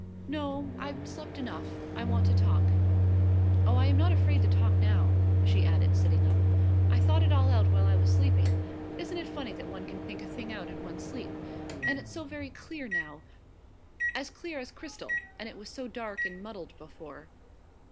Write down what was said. "No, I've slept enough I want to talk. Oh, I am not afraid to talk now," she added, sitting up. "I thought it all out while I was sleeping. Isn't it funny that one can think a thing out in one's sleep? And it's so very clear now as clear as crystal and it was so dark and muddled before.